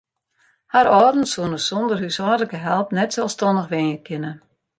Har âlden soene sonder húshâldlike help net selsstannich wenje kinne.